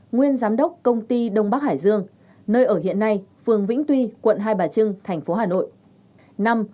nguyên giám đốc công ty đông bắc hải dương nơi ở hiện nay phường vĩnh tuy quận hai bà trưng tp hcm